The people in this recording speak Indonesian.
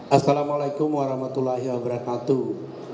assalamu alaikum warahmatullahi wabarakatuh